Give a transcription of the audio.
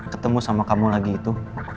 ketemu sama kamu lagi itu